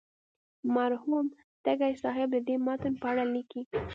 مرحوم تږی صاحب د دې متن په اړه لیکي.